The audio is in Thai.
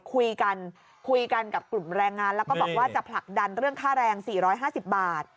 คุยกันคุยกันกับกลุ่มแรงงานแล้วก็บอกว่าจะผลักดันเรื่องค่าแรง๔๕๐บาท